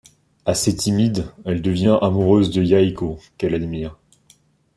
Assez timide, elle devient amoureuse de Yahiko, qu’elle admire.